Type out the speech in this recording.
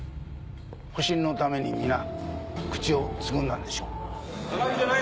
保身のために皆口をつぐんだんでしょう。